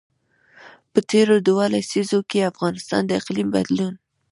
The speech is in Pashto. په تېرو دوو لسیزو کې افغانستان د اقلیم بدلون.